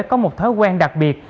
có một thói quen đặc biệt